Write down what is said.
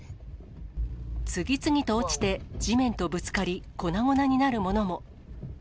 次々と落ちて、地面とぶつかり、粉々になるものも。